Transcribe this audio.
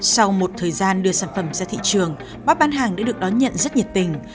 sau một thời gian đưa sản phẩm ra thị trường bóp bán hàng đã được đón nhận rất nhiệt tình